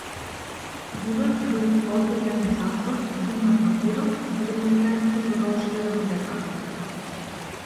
Вудард бил одведен в затвор, бутнат на подот каде полицајците продолжиле да го тепаат.